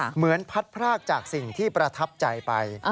เหมือนพัดพรากจากสิ่งที่ประทับใจไป